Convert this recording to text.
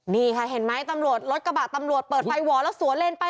นี่ค่ะเห็นไหมตำรวจรถกระบะตำรวจเปิดไฟหวอแล้วสวนเลนไป